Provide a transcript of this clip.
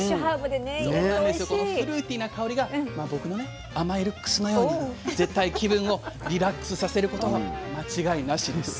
このフルーティーな香りが僕の甘いルックスのように絶対気分をリラックスさせること間違いなしです。